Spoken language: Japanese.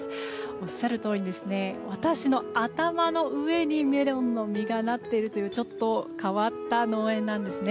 おっしゃるとおり私の頭の上にメロンの実がなっているという変わった農園なんですね。